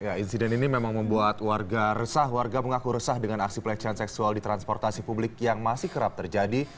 ya insiden ini memang membuat warga resah warga mengaku resah dengan aksi pelecehan seksual di transportasi publik yang masih kerap terjadi